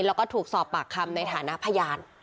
แล้วก็ถูกสอบปากคำในฐานะพยาน